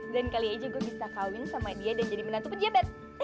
dan kali aja gue bisa kawin sama dia dan jadi menantu pejabat